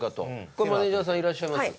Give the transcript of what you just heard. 今日マネジャーさんいらっしゃいます？